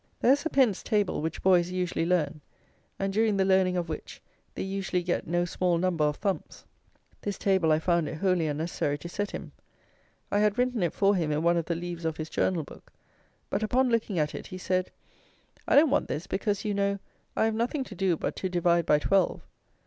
There is a pence table which boys usually learn, and during the learning of which they usually get no small number of thumps. This table I found it wholly unnecessary to set him. I had written it for him in one of the leaves of his journal book. But, upon looking at it, he said, "I don't want this, because, you know, I have nothing to do but to divide by twelve."